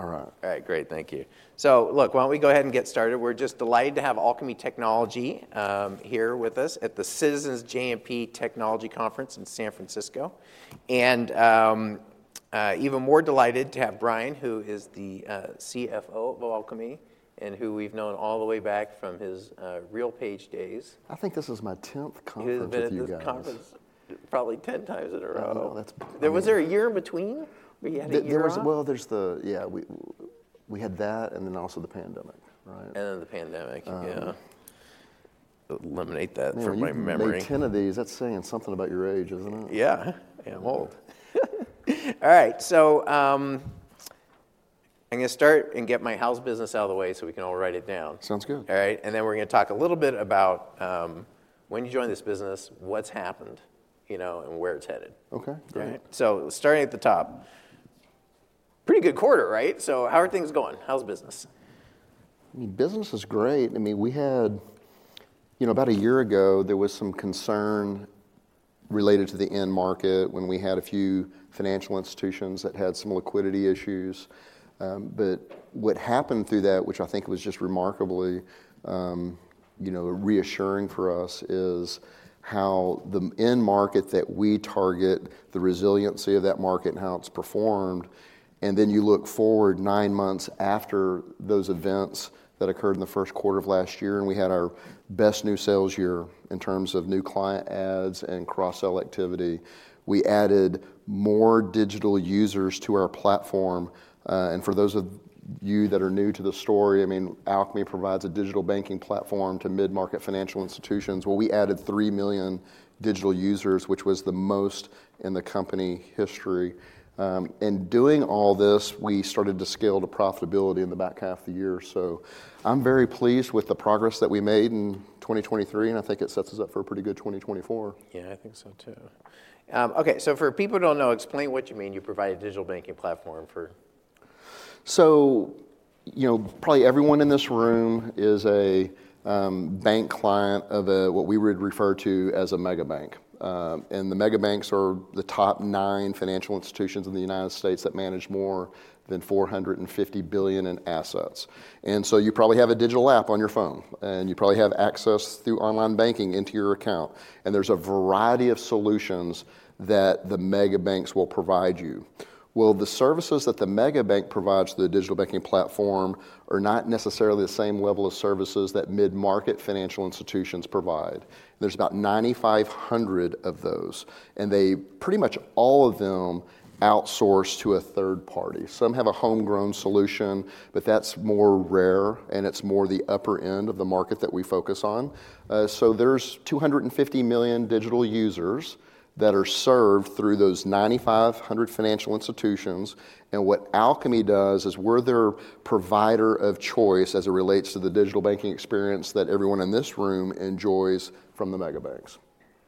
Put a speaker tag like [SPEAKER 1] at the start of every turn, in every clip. [SPEAKER 1] All right. All right. Great. Thank you. So look, why don't we go ahead and get started? We're just delighted to have Alkami Technology here with us at the Citizens JMP Technology Conference in San Francisco. Even more delighted to have Bryan, who is the CFO of Alkami and who we've known all the way back from his RealPage days.
[SPEAKER 2] I think this is my 10th conference with you guys.
[SPEAKER 1] 10th. This conference. Probably 10 times in a row.
[SPEAKER 2] Oh, that's pretty cool.
[SPEAKER 1] Was there a year in between? Were you at a year off?
[SPEAKER 2] Well, there's the yeah. We had that and then also the pandemic, right?
[SPEAKER 1] And then the pandemic. Yeah. Eliminate that from my memory.
[SPEAKER 2] Made 10 of these. That's saying something about your age, isn't it?
[SPEAKER 1] Yeah. I am old. All right. I'm going to start and get my house business out of the way so we can all write it down.
[SPEAKER 2] Sounds good.
[SPEAKER 1] All right. And then we're going to talk a little bit about when you joined this business, what's happened and where it's headed.
[SPEAKER 2] Okay. Great.
[SPEAKER 1] All right. So starting at the top, pretty good quarter, right? So how are things going? How's business?
[SPEAKER 2] I mean, business is great. I mean, we had about a year ago, there was some concern related to the end market when we had a few financial institutions that had some liquidity issues. But what happened through that, which I think was just remarkably reassuring for us, is how the end market that we target, the resiliency of that market and how it's performed. And then you look forward 9 months after those events that occurred in the Q1 of last year, and we had our best new sales year in terms of new client adds and cross-sell activity. We added more digital users to our platform. And for those of you that are new to the story, I mean, Alkami provides a digital banking platform to mid-market financial institutions. Well, we added 3 million digital users, which was the most in the company history. Doing all this, we started to scale to profitability in the back half of the year. I'm very pleased with the progress that we made in 2023, and I think it sets us up for a pretty good 2024.
[SPEAKER 1] Yeah, I think so too. Okay. So for people who don't know, explain what you mean. You provide a digital banking platform for.
[SPEAKER 2] So probably everyone in this room is a bank client of what we would refer to as a mega bank. And the mega banks are the top nine financial institutions in the United States that manage more than $450 billion in assets. And so you probably have a digital app on your phone, and you probably have access through online banking into your account. And there's a variety of solutions that the mega banks will provide you. Well, the services that the mega bank provides to the digital banking platform are not necessarily the same level of services that mid-market financial institutions provide. There's about 9,500 of those, and pretty much all of them outsource to a third party. Some have a homegrown solution, but that's more rare, and it's more the upper end of the market that we focus on. There's 250 million digital users that are served through those 9,500 financial institutions. What Alkami does is we're their provider of choice as it relates to the digital banking experience that everyone in this room enjoys from the mega banks.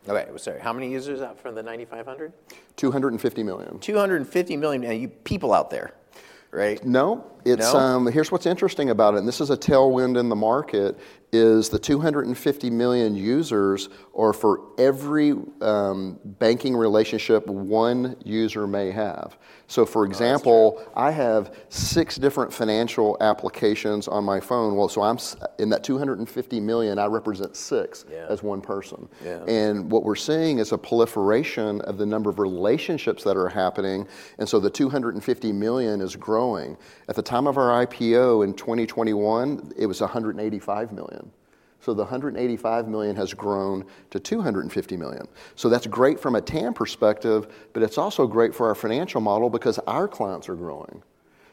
[SPEAKER 1] Okay. So how many users out from the 9,500?
[SPEAKER 2] 250 million.
[SPEAKER 1] 250 million people out there, right?
[SPEAKER 2] No. Here's what's interesting about it, and this is a tailwind in the market, is the 250 million users are for every banking relationship one user may have. So for example, I have six different financial applications on my phone. Well, so in that 250 million, I represent six as one person. And what we're seeing is a proliferation of the number of relationships that are happening. And so the 250 million is growing. At the time of our IPO in 2021, it was 185 million. So the 185 million has grown to 250 million. So that's great from a TAM perspective, but it's also great for our financial model because our clients are growing.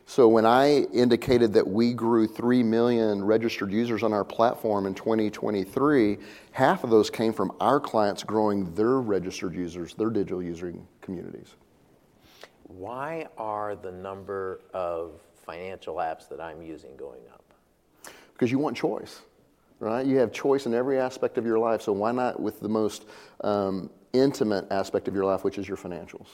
[SPEAKER 2] So when I indicated that we grew 3 million registered users on our platform in 2023, half of those came from our clients growing their registered users, their digital user communities.
[SPEAKER 1] Why are the number of financial apps that I'm using going up?
[SPEAKER 2] Because you want choice, right? You have choice in every aspect of your life. So why not with the most intimate aspect of your life, which is your financials?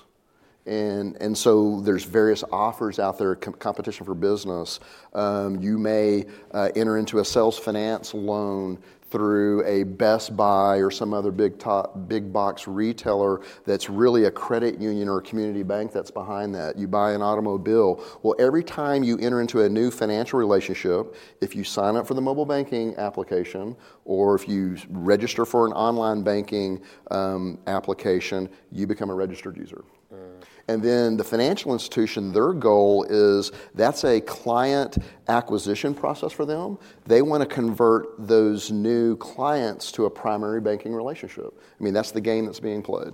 [SPEAKER 2] And so there's various offers out there, competition for business. You may enter into a sales finance loan through a Best Buy or some other big box retailer that's really a credit union or a community bank that's behind that. You buy an automobile. Well, every time you enter into a new financial relationship, if you sign up for the mobile banking application or if you register for an online banking application, you become a registered user. And then the financial institution, their goal is that's a client acquisition process for them. They want to convert those new clients to a primary banking relationship. I mean, that's the game that's being played.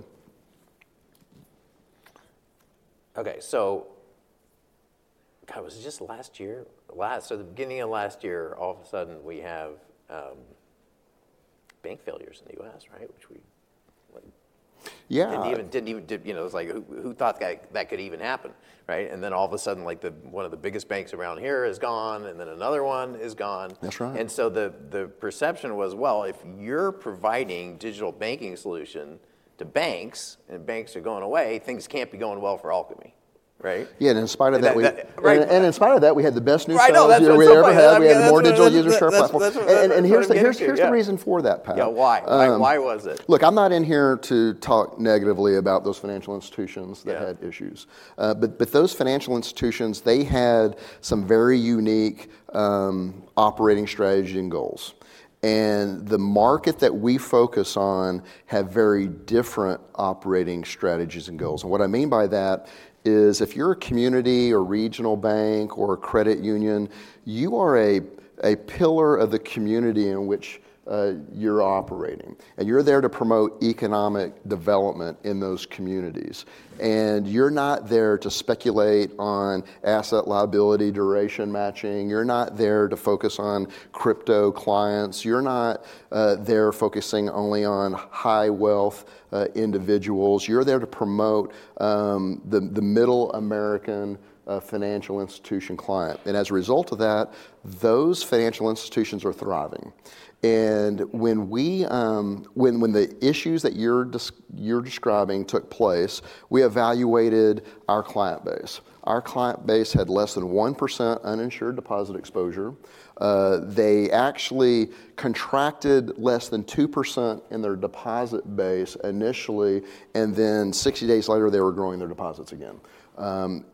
[SPEAKER 1] Okay. So it was just last year. So the beginning of last year, all of a sudden, we have bank failures in the U.S., right?
[SPEAKER 2] Yeah.
[SPEAKER 1] It didn't even, it was like, who thought that could even happen, right? And then all of a sudden, one of the biggest banks around here is gone, and then another one is gone. And so the perception was, well, if you're providing digital banking solution to banks and banks are going away, things can't be going well for Alkami, right?
[SPEAKER 2] Yeah. In spite of that, we had the best new sales year we ever had. We had the most digital banking platform. Here's the reason for that, Pat.
[SPEAKER 1] Yeah. Why? Why was it?
[SPEAKER 2] Look, I'm not in here to talk negatively about those financial institutions that had issues. But those financial institutions, they had some very unique operating strategy and goals. And the market that we focus on had very different operating strategies and goals. And what I mean by that is if you're a community or regional bank or a credit union, you are a pillar of the community in which you're operating, and you're there to promote economic development in those communities. And you're not there to speculate on asset liability duration matching. You're not there to focus on crypto clients. You're not there focusing only on high-wealth individuals. You're there to promote the middle American financial institution client. And as a result of that, those financial institutions are thriving. And when the issues that you're describing took place, we evaluated our client base. Our client base had less than 1% uninsured deposit exposure. They actually contracted less than 2% in their deposit base initially, and then 60 days later, they were growing their deposits again.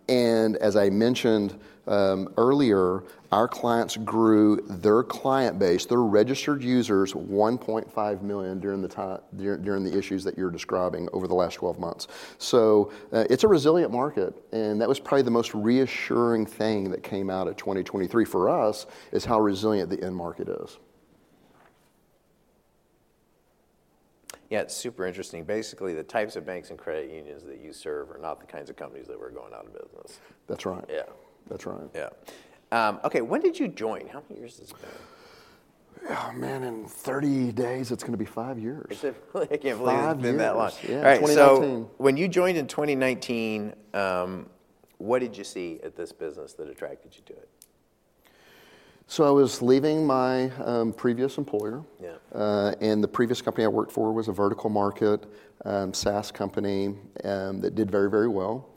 [SPEAKER 2] As I mentioned earlier, our clients grew their client base, their registered users, 1.5 million during the issues that you're describing over the last 12 months. It's a resilient market. That was probably the most reassuring thing that came out of 2023 for us is how resilient the end market is.
[SPEAKER 1] Yeah. It's super interesting. Basically, the types of banks and credit unions that you serve are not the kinds of companies that were going out of business.
[SPEAKER 2] That's right. Yeah. That's right.
[SPEAKER 1] Yeah. Okay. When did you join? How many years has it been?
[SPEAKER 2] Oh, man. In 30 days, it's going to be five years.
[SPEAKER 1] I can't believe it's been that long.
[SPEAKER 2] 5 years. Yeah.
[SPEAKER 1] All right. So when you joined in 2019, what did you see at this business that attracted you to it?
[SPEAKER 2] I was leaving my previous employer. The previous company I worked for was a vertical market, SaaS company that did very, very well,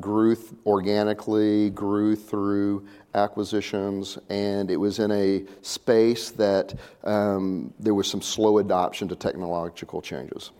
[SPEAKER 2] grew organically, grew through acquisitions, and it was in a space that there was some slow adoption to technological changes.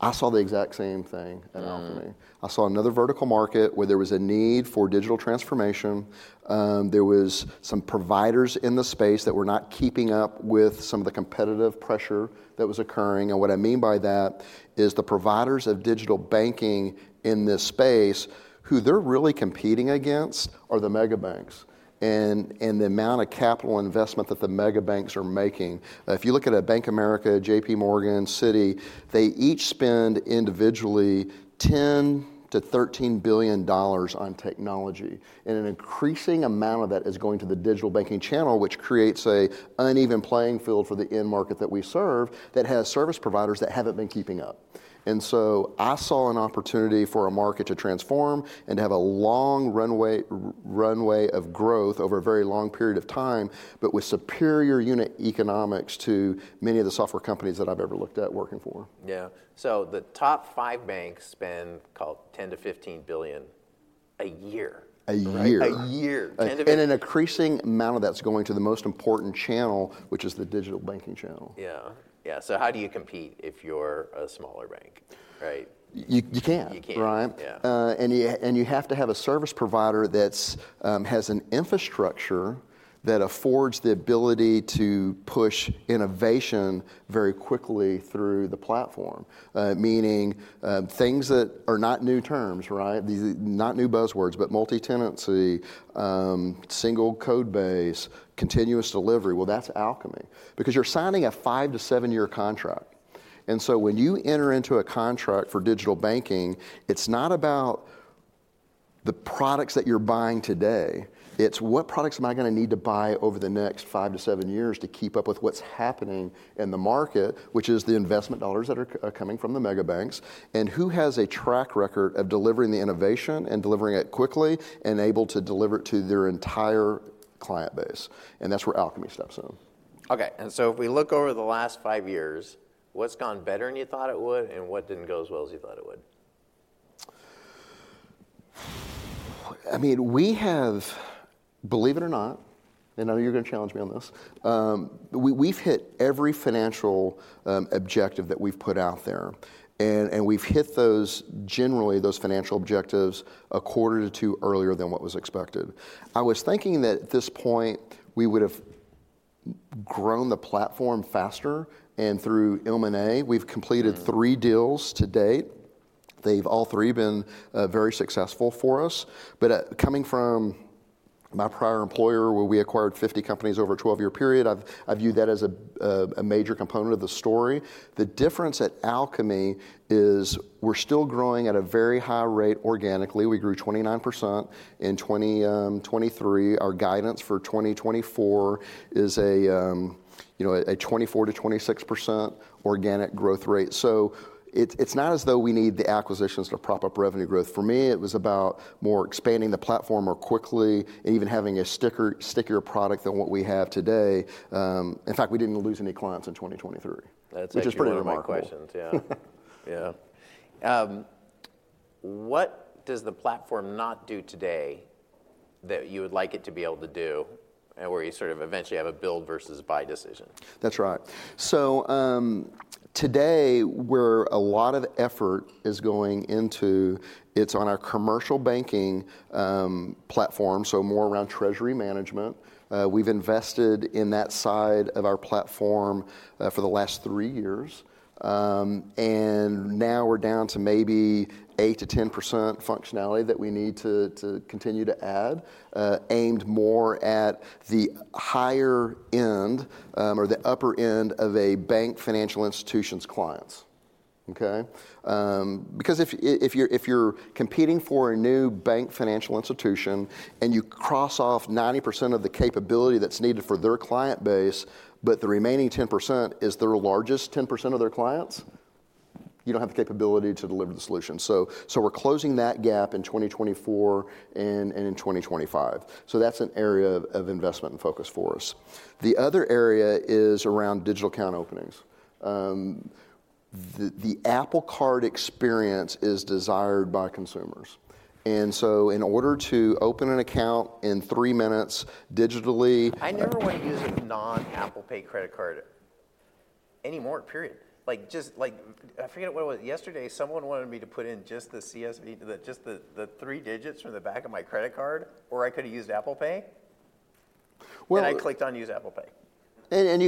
[SPEAKER 2] I saw the exact same thing at Alkami. I saw another vertical market where there was a need for digital transformation. There were some providers in the space that were not keeping up with some of the competitive pressure that was occurring. What I mean by that is the providers of digital banking in this space, who they're really competing against are the mega banks and the amount of capital investment that the mega banks are making. If you look at Bank of America, JP Morgan, Citi, they each spend individually $10 billion-$13 billion on technology. An increasing amount of that is going to the digital banking channel, which creates an uneven playing field for the end market that we serve that has service providers that haven't been keeping up. And so I saw an opportunity for a market to transform and to have a long runway of growth over a very long period of time, but with superior unit economics to many of the software companies that I've ever looked at working for.
[SPEAKER 1] Yeah. So the top five banks spend $10 billion-$15 billion a year.
[SPEAKER 2] A year.
[SPEAKER 1] A year.
[SPEAKER 2] An increasing amount of that's going to the most important channel, which is the digital banking channel.
[SPEAKER 1] Yeah. Yeah. So how do you compete if you're a smaller bank, right?
[SPEAKER 2] You can't, right? And you have to have a service provider that has an infrastructure that affords the ability to push innovation very quickly through the platform, meaning things that are not new terms, right? Not new buzzwords, but multi-tenancy, single code base, continuous delivery. Well, that's Alkami because you're signing a 5-7-year contract. And so when you enter into a contract for digital banking, it's not about the products that you're buying today. It's what products am I going to need to buy over the next 5-7 years to keep up with what's happening in the market, which is the investment dollars that are coming from the mega banks and who has a track record of delivering the innovation and delivering it quickly and able to deliver it to their entire client base. And that's where Alkami steps in.
[SPEAKER 1] Okay. So if we look over the last five years, what's gone better than you thought it would, and what didn't go as well as you thought it would?
[SPEAKER 2] I mean, we have, believe it or not, and I know you're going to challenge me on this, we've hit every financial objective that we've put out there. We've hit those, generally, those financial objectives a quarter to 2 earlier than what was expected. I was thinking that at this point, we would have grown the platform faster. And through M&A, we've completed 3 deals to date. They've all 3 been very successful for us. But coming from my prior employer, where we acquired 50 companies over a 12-year period, I view that as a major component of the story. The difference at Alkami is we're still growing at a very high rate organically. We grew 29% in 2023. Our guidance for 2024 is a 24%-26% organic growth rate. So it's not as though we need the acquisitions to prop up revenue growth. For me, it was about more expanding the platform more quickly and even having a stickier product than what we have today. In fact, we didn't lose any clients in 2023, which is pretty remarkable.
[SPEAKER 1] That's another of my questions. Yeah. Yeah. What does the platform not do today that you would like it to be able to do, where you sort of eventually have a build versus buy decision?
[SPEAKER 2] That's right. So today, where a lot of effort is going into, it's on our commercial banking platform, so more around treasury management. We've invested in that side of our platform for the last three years. And now we're down to maybe 8%-10% functionality that we need to continue to add, aimed more at the higher end or the upper end of a bank financial institution's clients, okay? Because if you're competing for a new bank financial institution and you cross off 90% of the capability that's needed for their client base, but the remaining 10% is their largest 10% of their clients, you don't have the capability to deliver the solution. So we're closing that gap in 2024 and in 2025. So that's an area of investment and focus for us. The other area is around digital account openings. The Apple Card experience is desired by consumers. And so in order to open an account in three minutes digitally.
[SPEAKER 1] I never want to use a non-Apple Pay credit card anymore, period. I forget what it was. Yesterday, someone wanted me to put in just the three digits from the back of my credit card, or I could have used Apple Pay. I clicked on Use Apple Pay.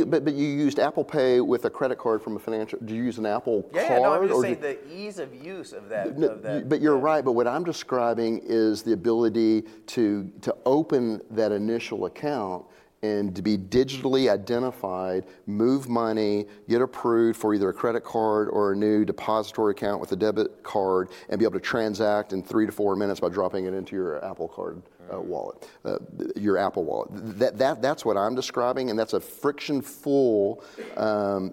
[SPEAKER 2] But you used Apple Pay with a credit card from a financial. Do you use an Apple Card or?
[SPEAKER 1] Yeah. No, I was just saying the ease of use of that.
[SPEAKER 2] But you're right. But what I'm describing is the ability to open that initial account and to be digitally identified, move money, get approved for either a credit card or a new depository account with a debit card, and be able to transact in 3-4 minutes by dropping it into your Apple Card wallet, your Apple Wallet. That's what I'm describing. And that's a friction-full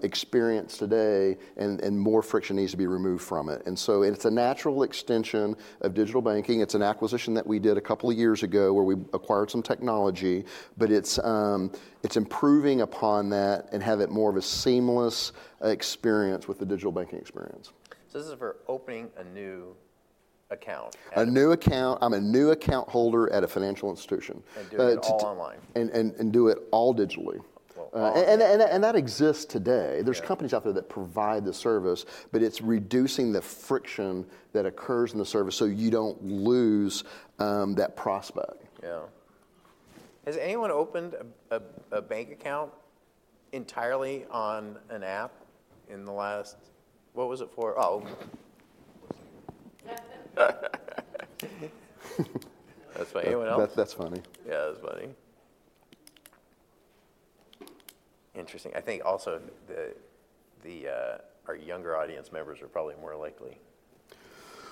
[SPEAKER 2] experience today, and more friction needs to be removed from it. And so it's a natural extension of digital banking. It's an acquisition that we did a couple of years ago where we acquired some technology. But it's improving upon that and have it more of a seamless experience with the digital banking experience.
[SPEAKER 1] This is for opening a new account.
[SPEAKER 2] A new account. I'm a new account holder at a financial institution.
[SPEAKER 1] Doing it all online.
[SPEAKER 2] Do it all digitally. That exists today. There's companies out there that provide the service, but it's reducing the friction that occurs in the service so you don't lose that prospect.
[SPEAKER 1] Yeah. Has anyone opened a bank account entirely on an app in the last what was it for? Oh.
[SPEAKER 3] What's that?
[SPEAKER 1] Anyone else?
[SPEAKER 2] That's funny.
[SPEAKER 1] Yeah. That's funny. Interesting. I think also our younger audience members are probably more likely.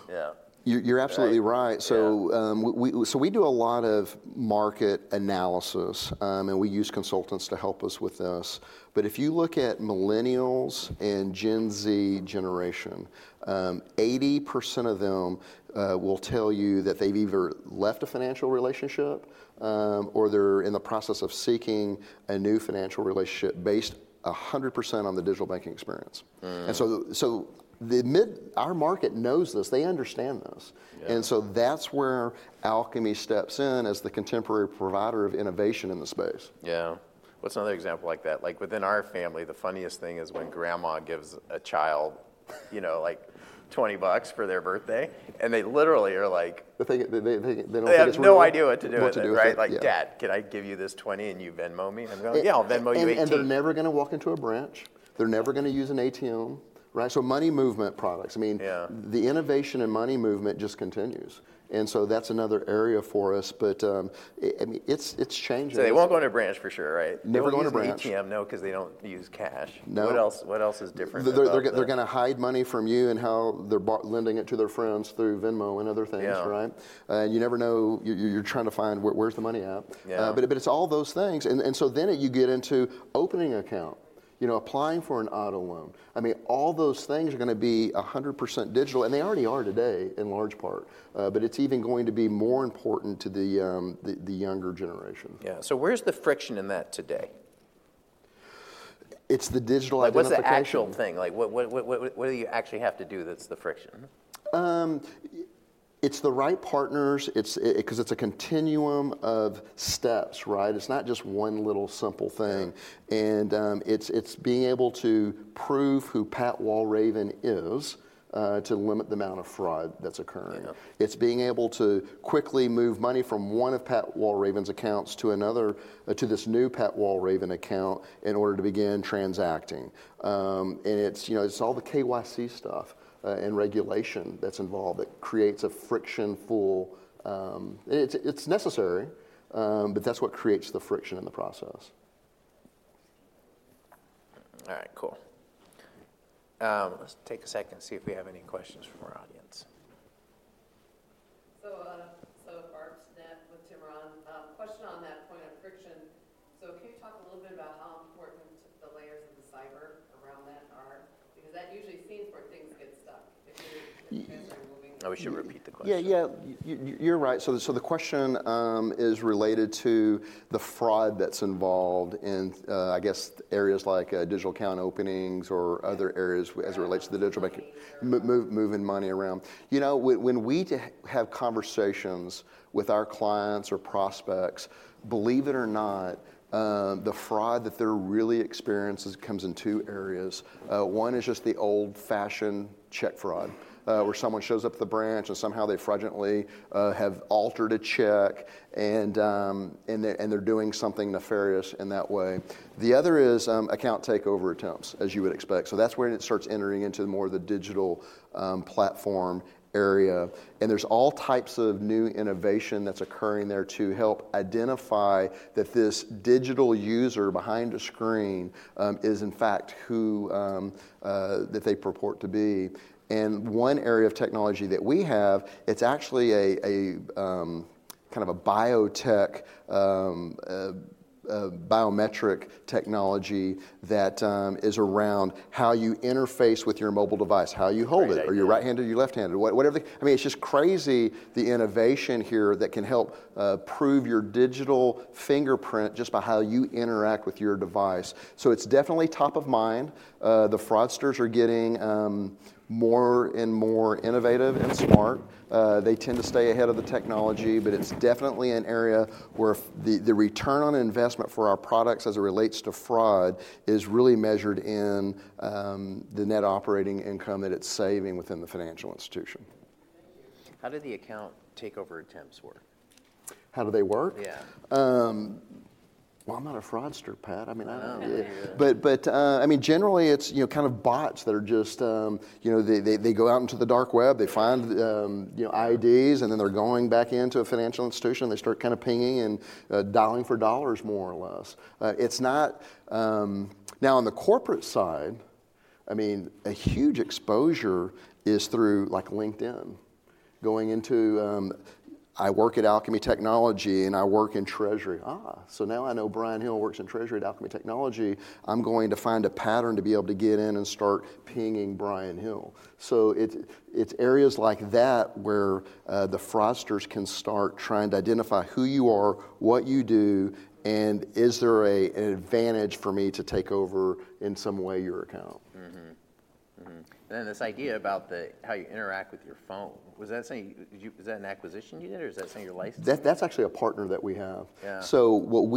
[SPEAKER 1] Yeah.
[SPEAKER 2] You're absolutely right. So we do a lot of market analysis, and we use consultants to help us with this. But if you look at millennials and Gen Z generation, 80% of them will tell you that they've either left a financial relationship or they're in the process of seeking a new financial relationship based 100% on the digital banking experience. And so our market knows this. They understand this. And so that's where Alkami steps in as the contemporary provider of innovation in the space.
[SPEAKER 1] Yeah. What's another example like that? Within our family, the funniest thing is when grandma gives a child $20 for their birthday, and they literally are like.
[SPEAKER 2] They don't get it.
[SPEAKER 1] They have no idea what to do with it, right? Like, "Dad, can I give you this $20, and you Venmo me?" And they're like, "Yeah. I'll Venmo you $18.
[SPEAKER 2] They're never going to walk into a branch. They're never going to use an ATM, right? Money movement products. I mean, the innovation in money movement just continues. So that's another area for us. I mean, it's changing.
[SPEAKER 1] So they won't go into a branch for sure, right?
[SPEAKER 2] Never go into an ATM. No, because they don't use cash. What else is different? They're going to hide money from you and how they're lending it to their friends through Venmo and other things, right? And you never know. You're trying to find where's the money at. But it's all those things. And so then you get into opening an account, applying for an auto loan. I mean, all those things are going to be 100% digital. And they already are today in large part. But it's even going to be more important to the younger generation.
[SPEAKER 1] Yeah. So where's the friction in that today?
[SPEAKER 2] It's the digital identification.
[SPEAKER 1] What's the actual thing? What do you actually have to do that's the friction?
[SPEAKER 2] It's the right partners because it's a continuum of steps, right? It's not just one little simple thing. It's being able to prove who Patrick Walravens is to limit the amount of fraud that's occurring. It's being able to quickly move money from one of Patrick Walravens's accounts to this new Patrick Walravens account in order to begin transacting. It's all the KYC stuff and regulation that's involved that creates a friction-filled. It's necessary, but that's what creates the friction in the process.
[SPEAKER 1] All right. Cool. Let's take a second and see if we have any questions from our audience.
[SPEAKER 3] So, Uncertain. Question on that point of friction. So, can you talk a little bit about how important the layers of the cyber around that are? Because that usually seems where things get stuck if you're transferring and moving.
[SPEAKER 1] Oh, we should repeat the question.
[SPEAKER 2] Yeah. Yeah. You're right. So the question is related to the fraud that's involved in, I guess, areas like digital account openings or other areas as it relates to the digital banking moving money around. When we have conversations with our clients or prospects, believe it or not, the fraud that they're really experiencing comes in two areas. One is just the old-fashioned check fraud, where someone shows up at the branch, and somehow they fraudulently have altered a check, and they're doing something nefarious in that way. The other is account takeover attempts, as you would expect. So that's where it starts entering into more of the digital platform area. And there's all types of new innovation that's occurring there to help identify that this digital user behind a screen is, in fact, who they purport to be. One area of technology that we have, it's actually kind of a biotech, biometric technology that is around how you interface with your mobile device, how you hold it, are you right-handed, are you left-handed, whatever. I mean, it's just crazy, the innovation here that can help prove your digital fingerprint just by how you interact with your device. So it's definitely top of mind. The fraudsters are getting more and more innovative and smart. They tend to stay ahead of the technology. But it's definitely an area where the return on investment for our products, as it relates to fraud, is really measured in the net operating income that it's saving within the financial institution.
[SPEAKER 3] Thank you.
[SPEAKER 1] How do the Account Takeover attempts work?
[SPEAKER 2] How do they work?
[SPEAKER 1] Yeah.
[SPEAKER 2] Well, I'm not a fraudster, Pat. I mean, I don't know. But I mean, generally, it's kind of bots that are just they go out into the dark web. They find IDs, and then they're going back into a financial institution. They start kind of pinging and dialing for dollars, more or less. Now, on the corporate side, I mean, a huge exposure is through LinkedIn. I work at Alkami Technology, and I work in treasury. So now I know Bryan Hill works in treasury at Alkami Technology. I'm going to find a pattern to be able to get in and start pinging Bryan Hill. So it's areas like that where the fraudsters can start trying to identify who you are, what you do, and is there an advantage for me to take over, in some way, your account?
[SPEAKER 1] Then this idea about how you interact with your phone, was that something? Is that an acquisition you did, or is that something you licensed?
[SPEAKER 2] That's actually a partner that we have. So what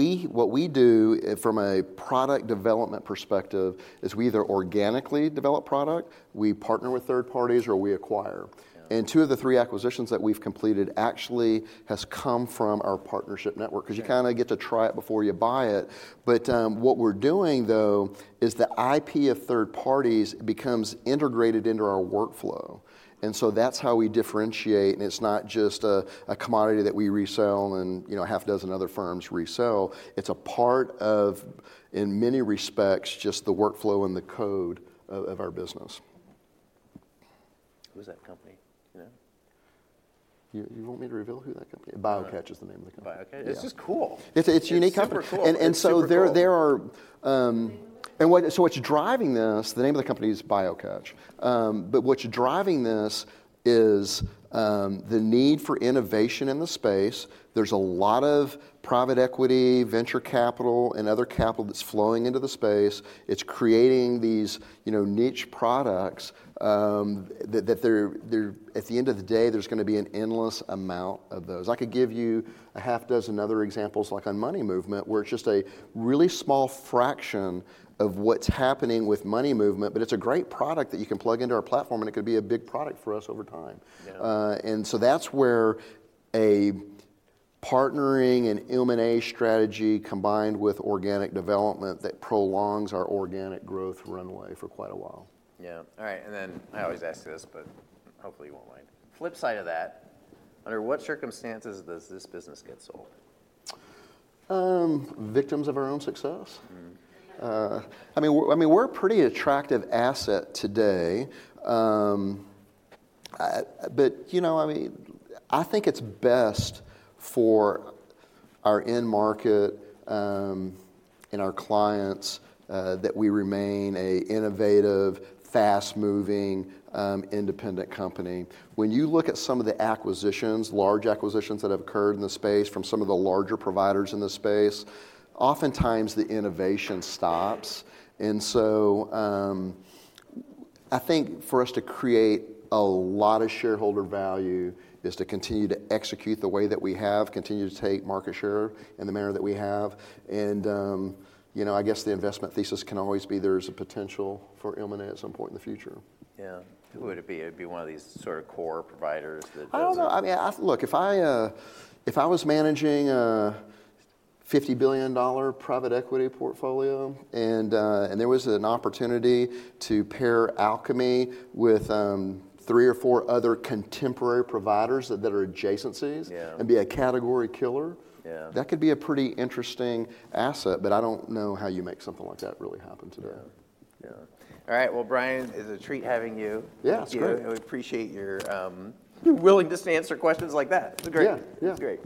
[SPEAKER 2] we do, from a product development perspective, is we either organically develop product, we partner with third parties, or we acquire. And two of the three acquisitions that we've completed actually have come from our partnership network because you kind of get to try it before you buy it. But what we're doing, though, is the IP of third parties becomes integrated into our workflow. And so that's how we differentiate. And it's not just a commodity that we resell, and a half dozen other firms resell. It's a part of, in many respects, just the workflow and the code of our business.
[SPEAKER 1] Who's that company? Do you know?
[SPEAKER 2] You want me to reveal who that company is? BioCatch is the name of the company.
[SPEAKER 1] BioCatch? It's just cool.
[SPEAKER 2] It's a unique company. And so there are so what's driving this, the name of the company is BioCatch. But what's driving this is the need for innovation in the space. There's a lot of private equity, venture capital, and other capital that's flowing into the space. It's creating these niche products that they're at the end of the day, there's going to be an endless amount of those. I could give you a half dozen other examples, like on money movement, where it's just a really small fraction of what's happening with money movement. But it's a great product that you can plug into our platform, and it could be a big product for us over time. And so that's where a partnering and M&A strategy combined with organic development that prolongs our organic growth runway for quite a while.
[SPEAKER 1] Yeah. All right. And then I always ask this, but hopefully, you won't mind. Flip side of that, under what circumstances does this business get sold?
[SPEAKER 2] Victims of our own success. I mean, we're a pretty attractive asset today. But I mean, I think it's best for our end market and our clients that we remain an innovative, fast-moving, independent company. When you look at some of the acquisitions, large acquisitions that have occurred in the space from some of the larger providers in the space, oftentimes, the innovation stops. And so I think for us to create a lot of shareholder value is to continue to execute the way that we have, continue to take market share in the manner that we have. And I guess the investment thesis can always be there's a potential for M&A at some point in the future.
[SPEAKER 1] Yeah. Who would it be? It'd be one of these sort of core providers that does that.
[SPEAKER 2] I don't know. I mean, look, if I was managing a $50 billion private equity portfolio, and there was an opportunity to pair Alkami with three or four other contemporary providers that are adjacencies and be a category killer, that could be a pretty interesting asset. But I don't know how you make something like that really happen today.
[SPEAKER 1] Yeah. All right. Well, Bryan, it's a treat having you.
[SPEAKER 2] Yeah. It's great.
[SPEAKER 1] We appreciate your willingness to answer questions like that. It's great.
[SPEAKER 2] Yeah. Yeah.
[SPEAKER 1] It's great.